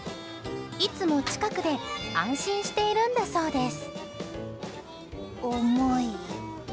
いつも近くで安心しているそうです。